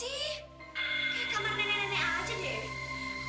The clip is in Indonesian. ini kamar nenek nenek aja deh